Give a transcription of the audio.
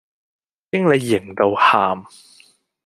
經理型到喊